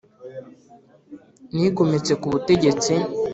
Nigometse ku butegetsi